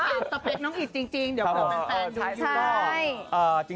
เอาถามสเปคน้องอิทจริงเดี๋ยวมันแฟนดู